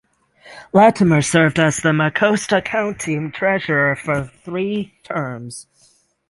Latimer served as the Mecosta County treasurer for three terms.